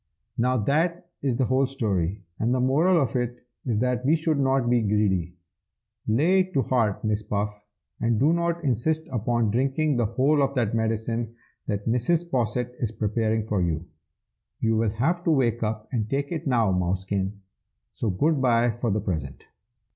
"Now that is the whole story, and the moral of it is that we should not be greedy. Lay it to heart, my Puff, and do not insist upon drinking the whole of that medicine that Mrs. Posset is preparing for you. You will have to wake up and take it now, Mousekin, so good bye for the present!"